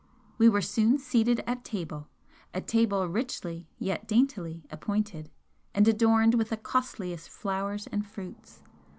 We were soon seated at table a table richly, yet daintily, appointed, and adorned with the costliest flowers and fruits.